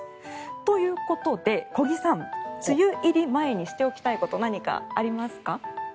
ということで、小木さん梅雨入り前にしておきたいこと何かありますか？